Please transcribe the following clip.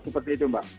seperti itu mbak